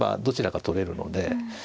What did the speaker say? どちらか取れるので。